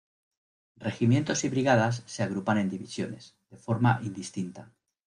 Regimientos y brigadas se agrupan en divisiones, de forma indistinta.